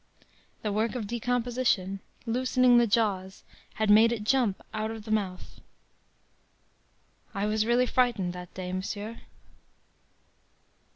“The work of decomposition, loosening the jaws, had made it jump out of the mouth. “I was really frightened that day, monsieur.